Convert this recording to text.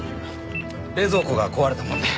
冷蔵庫が壊れたもんで。